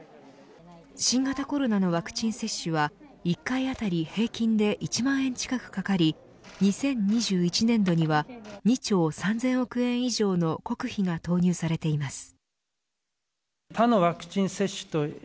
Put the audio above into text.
新型コロナのワクチン接種は１回あたり平均で１万円近くかかり２０２１年度には２兆３０００億円以上の国費が投入されています。